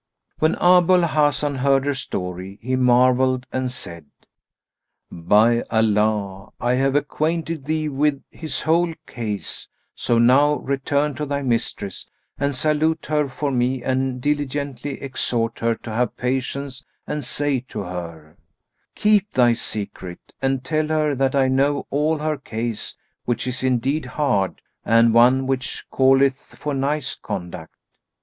When Abu al Hasan heard her story, he marvelled and said, "By Allah, I have acquainted thee with his whole case; so now return to thy mistress; and salute her for me and diligently exhort her to have patience and say to her, 'Keep thy secret!'; and tell her that I know all her case which is indeed hard and one which calleth for nice conduct."